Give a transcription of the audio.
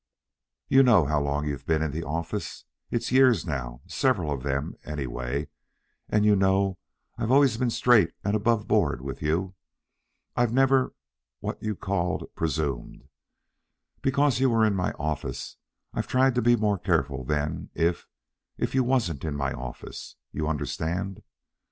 You know how long you've been in the office it's years, now, several of them, anyway; and you know I've always been straight and aboveboard with you. I've never what you call presumed. Because you were in my office I've tried to be more careful than if if you wasn't in my office you understand.